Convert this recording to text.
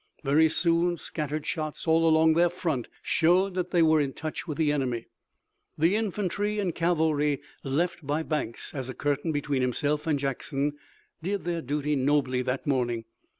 Very soon scattered shots all along their front showed that they were in touch with the enemy. The infantry and cavalry left by Banks as a curtain between himself and Jackson did their duty nobly that morning.